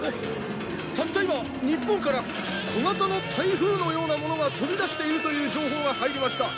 「たった今日本から小型の台風のようなものが飛び出しているという情報が入りました」